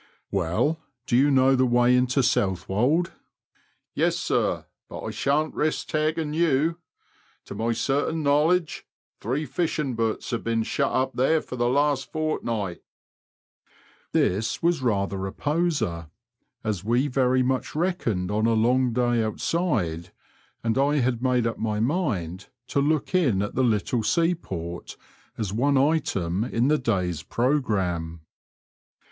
*• Well, do you know the way into Southwold ?'Yes, sir, but I shan't risk taking you. To my certain Digitized by VjOOQIC DIGRESSIONAL AND OTHERWISE. 21 knowledge three fishing boats have been shut up there for the last fortnight." This was rather a poser, as we very much reckoned on a long day outside, and I had made up my mind to look in at the little seaport, as one item in the day's programme.